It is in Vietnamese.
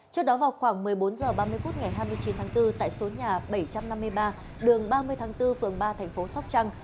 trước đó vào khoảng một mươi bốn h ba mươi phút ngày hai mươi chín tháng bốn tại số nhà bảy trăm năm mươi ba đường ba mươi tháng bốn phường ba thành phố sóc trăng